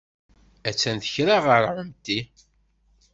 Attan tekra ɣur ɛemti.